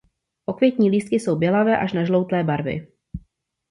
Okvětní lístky jsou bělavé až nažloutlé barvy.